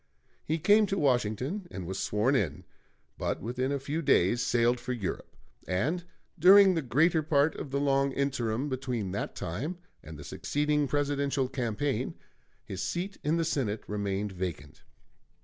He came to Washington and was sworn in, but within a few days sailed for Europe, and during the greater part of the long interim between that time and the succeeding Presidential campaign his seat in the Senate remained vacant.